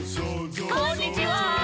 「こんにちは」